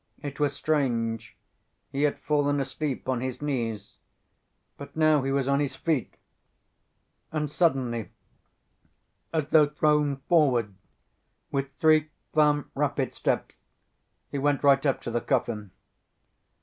It was strange, he had fallen asleep on his knees, but now he was on his feet, and suddenly, as though thrown forward, with three firm rapid steps he went right up to the coffin.